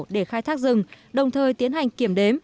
để khai thác rừng đồng thời tiến hành kiểm đếm